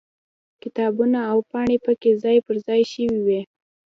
کتابونه او پاڼې پکې ځای پر ځای شوي وي.